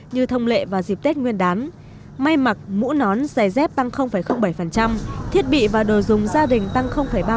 như thông lệ vào dịp tết nguyên đán may mặc mũ nón giày dép tăng bảy thiết bị và đồ dùng gia đình tăng ba mươi